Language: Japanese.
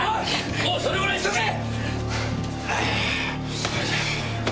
もうそれぐらいにしとけ！